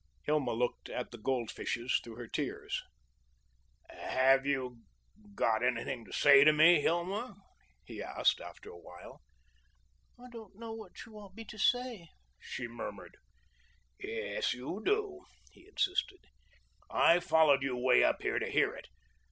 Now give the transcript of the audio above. Hilma looked at the goldfishes through her tears. "Have you got anything to say to me, Hilma?" he asked, after a while. "I don't know what you want me to say," she murmured. "Yes, you do," he insisted. "I've followed you 'way up here to hear it.